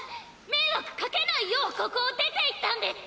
迷惑かけないようここを出て行ったんです！